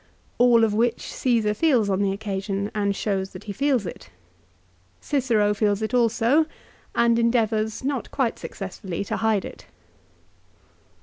All of which Caesar feels on the occasion, and shows that he feels it. Cicero feels it also, and endeavours not quite successfully to hide it.